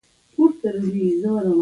احمد بد عادت لري.